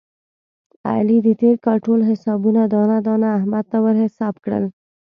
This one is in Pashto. علي د تېر کال ټول حسابونه دانه دانه احمد ته ور حساب کړل.